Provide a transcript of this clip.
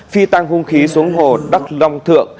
phi tăng hung khí xuống hồ đắc long thượng